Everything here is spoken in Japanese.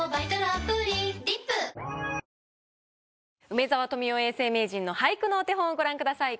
梅沢富美男永世名人の俳句のお手本をご覧ください。